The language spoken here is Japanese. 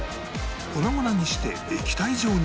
粉々にして液体状に